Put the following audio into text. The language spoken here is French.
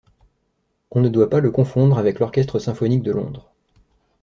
On ne doit pas le confondre avec l'Orchestre Symphonique de Londres.